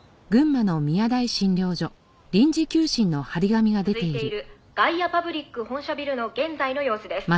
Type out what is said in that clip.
「続いているガイアパブリック本社ビルの現在の様子です」